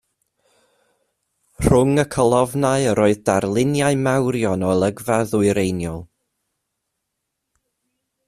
Rhwng y colofnau yr oedd darluniau mawrion o olygfa ddwyreiniol.